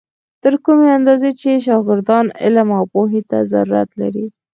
تر کومې اندازې چې شاګردان علم او پوهې ته ضرورت لري.